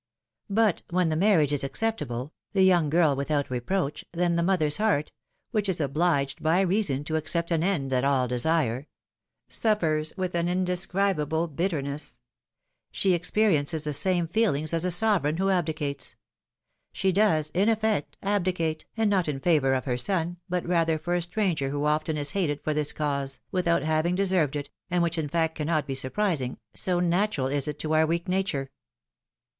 But when the marriage is acceptable, the young girl without reproach, then the mother's heart — which is obliged by reason to accept an end that all desire — suffers with an indescribable bitterness ; she experiences the same feelings as a sovereign who abdicates — ^she does, in effect, abdicate, and not in favor of her son, but rather for a stranger who often is hated for this cause, without having deserved it, and which in fact cannot be surprising, so natural is it to our weak nature.